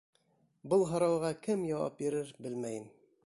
Был һорауға кем яуап бирер — белмәйем.